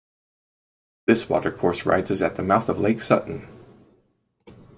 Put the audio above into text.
This watercourse rises at the mouth of Lake Sutton.